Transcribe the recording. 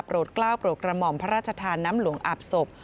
กล้าวโปรดกระหม่อมพระราชทานน้ำหลวงอาบศพ